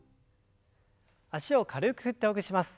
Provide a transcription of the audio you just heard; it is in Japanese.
脚を軽く振ってほぐします。